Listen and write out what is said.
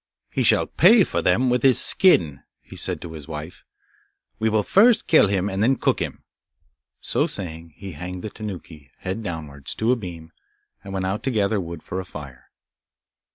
'He shall pay for them with his skin,' he said to his wife. 'We will first kill him, and then cook him.' So saying, he hanged the Tanuki, head downwards, to a beam, and went out to gather wood for a fire.